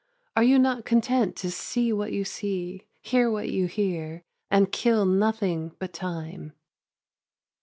Are you not content to see what you see, hear what you hear, and kill nothing but time?